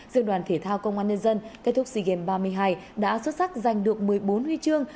dự đoàn thể thao công an nhân dân kết thúc sea games ba mươi hai đã xuất sắc giành được một mươi bốn huy chương